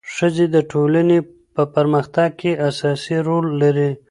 ښځې د ټولنې په پرمختګ کې اساسي رول لري.